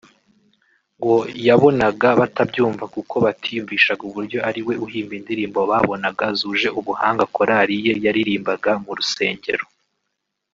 ngo yabonaga batabyumva kuko batiyumvishaga uburyo ariwe uhimba indirimbo babonaga zuje ubuhanga korali ye yaririmbaga mu rusengero